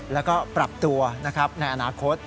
แล้วก็ปรับตัวในอนาคต